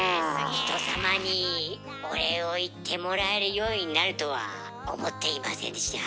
人様にお礼を言ってもらえるようになるとは思っていませんでした。